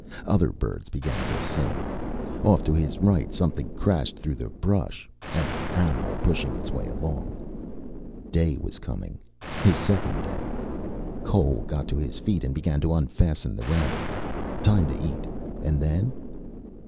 Other birds began to sing. Off to his right something crashed through the brush, an animal pushing its way along. Day was coming. His second day. Cole got to his feet and began to unfasten the rabbit. Time to eat. And then?